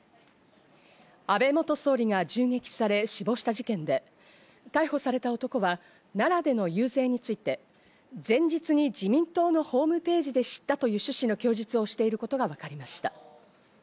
安倍元総理が銃撃され死亡した事件で、逮捕された男は奈良での遊説について、前日に自民党のホームページで知ったという趣旨の供述をしていることが分かりました。